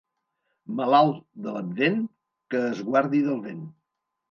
Malalt de l'Advent que es guardi del vent.